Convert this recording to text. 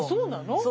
そう。